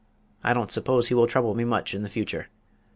I don't suppose he will trouble me much in future.